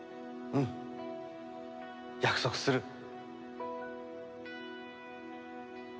うん。約束する。